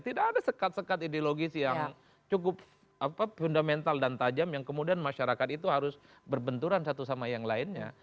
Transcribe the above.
tidak ada sekat sekat ideologis yang cukup fundamental dan tajam yang kemudian masyarakat itu harus berbenturan satu sama yang lainnya